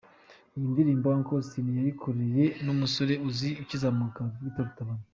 Iyi ndirimbo Uncle Austin yayikoranye n’umusore ukizamuka Victor Rukotana.